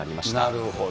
なるほど。